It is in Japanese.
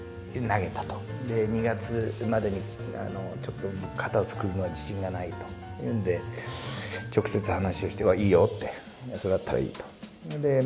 ２月までにちょっと肩を作るのは自信がないというんで直接話をして「いいよ」って「それだったらいい」と。